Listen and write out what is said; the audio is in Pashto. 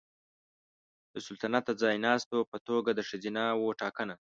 د سلطنت د ځایناستو په توګه د ښځینه وو ټاکنه